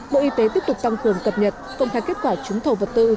bộ y tế tiếp tục tăng cường cập nhật công khai kết quả trúng thầu vật tư